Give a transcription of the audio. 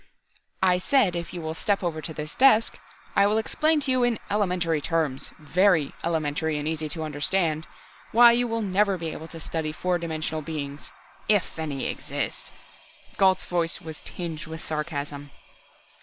"I said if you will step over to this desk I will explain to you in elementary terms very elementary and easy to understand why you will never be able to study four dimensional beings if any exist!" Gault's voice was tinged with sarcasm.